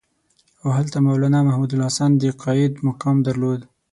او هلته مولنا محمودالحسن د قاید مقام درلود.